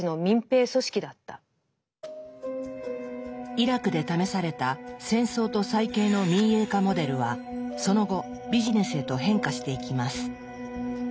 イラクで試された「戦争と再建の民営化モデル」はその後ビジネスへと変化していきます。